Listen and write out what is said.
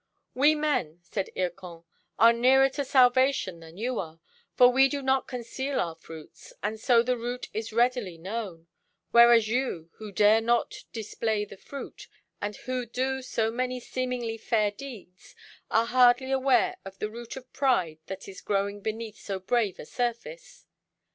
"We men," said Hircan, "are nearer to salvation than you are, for we do not conceal our fruits, and so the root is readily known; whereas you, who dare not display the fruit, and who do so many seemingly fair deeds, are hardly aware of the root of pride that is growing beneath so brave a surface."